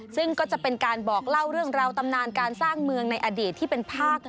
ซึ่งก็จะเป็นการบอกเล่าเรื่องราวตำนานการสร้างเมืองในอดีตที่เป็นภาค